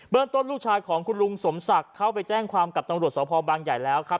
ต้นลูกชายของคุณลุงสมศักดิ์เข้าไปแจ้งความกับตำรวจสพบางใหญ่แล้วครับ